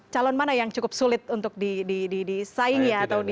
calon mana yang cukup sulit untuk disaingi atau di